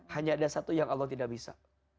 hanya ada satu yang allah tidak bisa